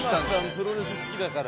プロレス好きだから。